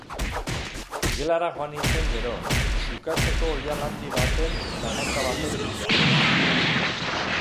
Gelara joan nintzen gero, xukatzeko oihal handi baten eta manta baten bila.